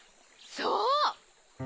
そう！